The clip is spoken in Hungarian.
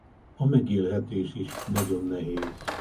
A megélhetés is nagyon nehéz.